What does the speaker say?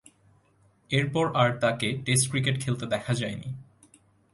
এরপর আর তাকে টেস্ট ক্রিকেট খেলতে দেখা যায়নি।